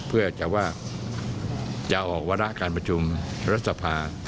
เพื่อจะว่าจะออกวาระการประชุมรัฐสภา